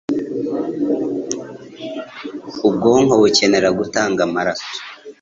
Ubwonko bukenera gutanga amaraso.